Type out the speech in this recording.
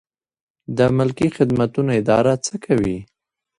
د ملکي خدمتونو اداره څه کوي؟